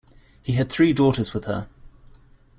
He had three daughters with her.